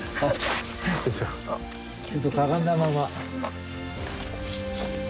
ちょっとかがんだまま。